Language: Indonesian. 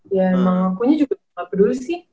ya emang akunya juga nggak peduli sih